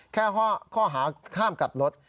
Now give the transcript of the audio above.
แค่ข้อหาห้ามกลับรถ